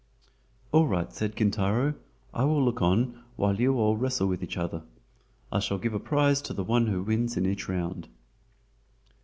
"All right," said Kintaro, "I will look on while you all wrestle with each other. I shall give a prize to the one who wins in each round."